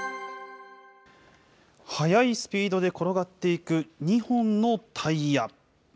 速いスピードで転がっていく２本のタイヤ。